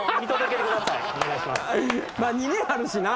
２年あるしな。